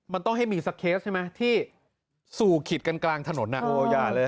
มันต้องให้มีสักเคสใช่ไหมที่สู่ขิตกันกลางถนนอย่าเลย